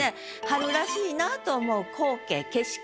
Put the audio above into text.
春らしいなぁと思う光景景色